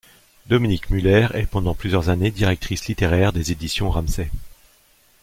Dominique Muller est pendant plusieurs années directrice littéraire des éditions Ramsay.